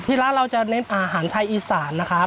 ร้านเราจะเน้นอาหารไทยอีสานนะครับ